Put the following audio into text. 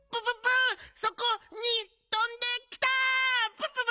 プププ！